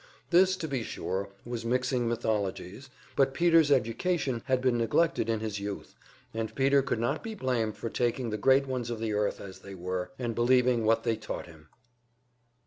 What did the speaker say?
This, to be sure, was mixing mythologies, but Peter's education had been neglected in his youth, and Peter could not be blamed for taking the great ones of the earth as they were, and believing what they taught him.